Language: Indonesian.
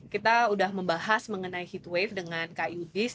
kita udah membahas mengenai heatwave dengan kak yudis